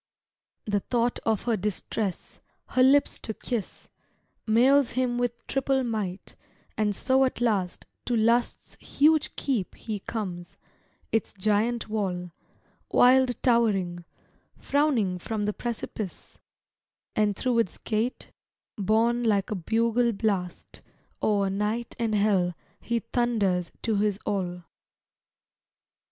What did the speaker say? The thought of her distress, her lips to kiss, Mails him with triple might; and so at last To Lust's huge keep he comes; its giant wall, Wild towering, frowning from the precipice; And through its gate, borne like a bugle blast, O'er night and hell he thunders to his all.